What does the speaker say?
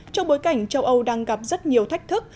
trong bối cảnh châu âu đang gặp rất nhiều thách thức